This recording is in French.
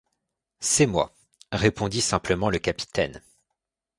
C’est moi, » répondit simplement le capitaine